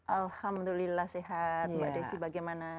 alhamdulillah sehat mbak desi bagaimana